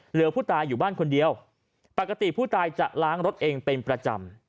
เหลือผู้ตายอยู่บ้านคนเดียวปกติผู้ตายจะล้างรถเองเป็นประจำ